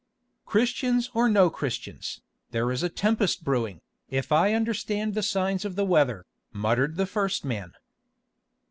"Christians or no Christians, there is a tempest brewing, if I understand the signs of the weather," muttered the first man.